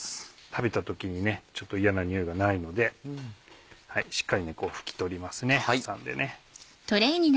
食べた時にちょっと嫌な臭いがないのでしっかり拭き取ります挟んでね。